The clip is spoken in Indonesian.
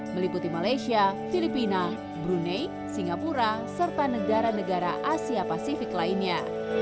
meliputi malaysia filipina brunei singapura serta negara negara asia pasifik lainnya